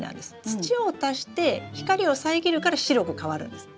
土を足して光を遮るから白く変わるんです。